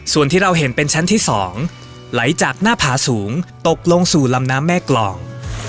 ส่วนที่เราเห็นเป็นชั้นที่๒ไหลจากหน้าผาสูงตกลงสู่ลำน้ำแม่กรอง